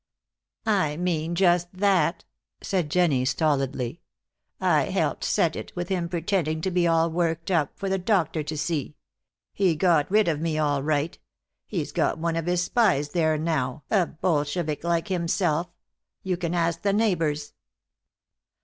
"I mean just that," said Jennie, stolidly. "I helped set it, with him pretending to be all worked up, for the doctor to see. He got rid of me all right. He's got one of his spies there now, a Bolshevik like himself. You can ask the neighbors."